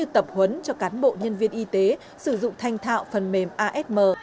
tập huấn cho cán bộ nhân viên y tế sử dụng thanh thạo phần mềm asm